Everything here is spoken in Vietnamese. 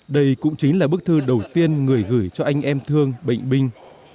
đây cũng chính là bức thư đầu tiên người gửi cho anh em thương bệnh binh